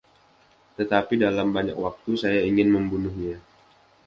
Tetapi dalam banyak waktu saya ingin membunuhnya!